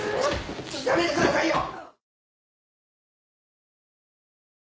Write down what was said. ちょっやめてくださいよ！